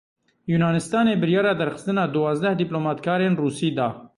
Yûnanistanê biryara derxistina duwazdeh dîplomatkarên Rûsî da.